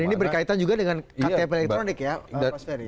dan ini berkaitan juga dengan ktp elektronik ya pak ferry